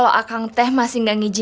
anaknya masih owsa